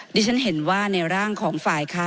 ดิฉันเห็นว่าในร่างของฝ่ายค้าน